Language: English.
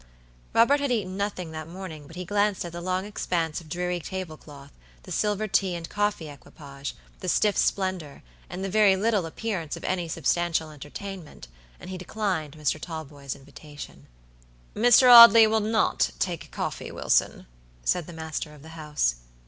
Robert had eaten nothing that morning, but he glanced at the long expanse of dreary table cloth, the silver tea and coffee equipage, the stiff splendor, and the very little appearance of any substantial entertainment, and he declined Mr. Talboys' invitation. "Mr. Audley will not take coffee, Wilson," said the master of the house.